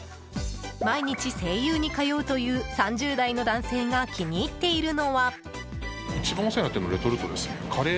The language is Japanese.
毎日、西友に通うという３０代の男性が気に入っているのは。